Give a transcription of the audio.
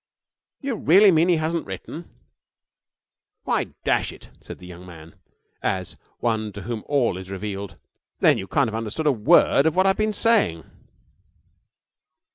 You really mean he hasn't written? 'Why, dash it,' said the young man, as one to whom all is revealed, 'then you can't have understood a word of what I've been saying!'